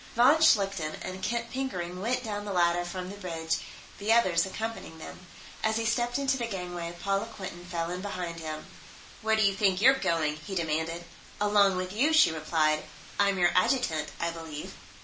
Von Schlichten and Kent Pickering went down the ladder from the bridge, the others accompanying them. As he stepped into the gangway, Paula Quinton fell in behind him. "Where do you think you're going?" he demanded. "Along with you," she replied. "I'm your adjutant, I believe."